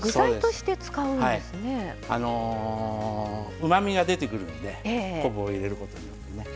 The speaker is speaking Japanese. うまみが出てくるので昆布を入れることによってね。